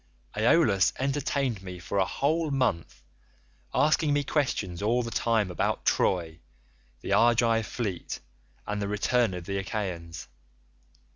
"Aeolus entertained me for a whole month asking me questions all the time about Troy, the Argive fleet, and the return of the Achaeans.